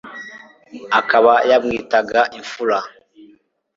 akaba yamwitaga imfura